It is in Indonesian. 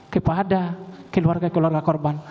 kepada keluarga keluarga korban